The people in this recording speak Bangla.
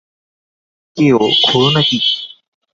কে ও, খুড়ো নাকি?